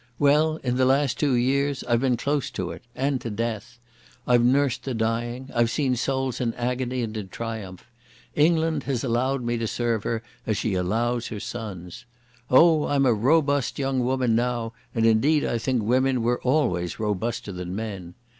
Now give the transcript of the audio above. Well, in the last two years I've been close to it, and to death. I've nursed the dying. I've seen souls in agony and in triumph. England has allowed me to serve her as she allows her sons. Oh, I'm a robust young woman now, and indeed I think women were always robuster than men....